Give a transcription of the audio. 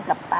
nó sụp ra